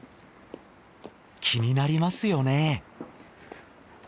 気になりますよね。